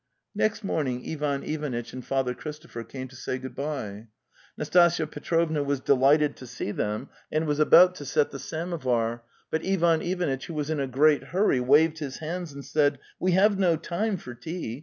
Next morning Ivan Ivanitch and Father Christo pher came to say good bye. Nastasya Petrovna was delighted to see them, and was about to set the samo var; but Ivan Ivanitch, who was in a great hurry, waved his hans and said: '"We have no time for tea!